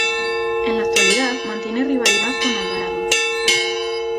En la actualidad mantiene rivalidad con Alvarado.